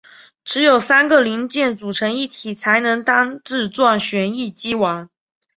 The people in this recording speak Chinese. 只有三个零件组成一体才能当自转旋翼机玩。